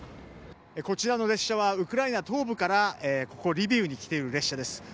こちらの列車はウクライナ東部からここリビウに来ている列車です。